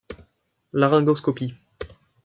Laryngoscopie, s. f.